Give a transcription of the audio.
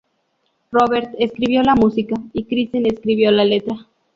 Robert escribió la música, y Kristen escribió la letra.